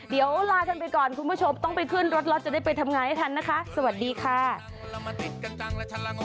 เดี๋ยวลาฉันไปก่อนคุณผู้ชมต้องไปขึ้นรถรถจะได้ไปทำงานให้ทันนะคะ